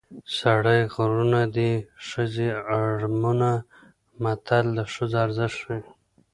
سړي غرونه دي ښځې اړمونه متل د ښځو ارزښت ښيي